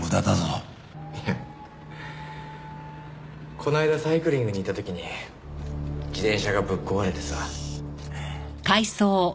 この間サイクリングに行った時に自転車がぶっ壊れてさ。